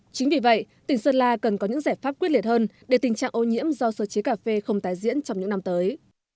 chính vì vậy tỉnh sơn la cần có những giải pháp quyết liệt hơn để tình trạng ô nhiễm do sơ chế cà phê không tái diễn trong những năm tới